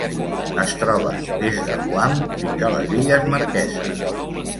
Es troba des de Guam fins a les Illes Marqueses.